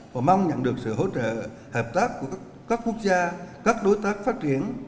và mong nhận được sự hỗ trợ hợp tác của các quốc gia các đối tác phát triển